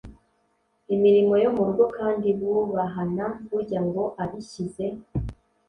imirimo yo mu rugo kandi bubahana. Burya ngo “Abishyize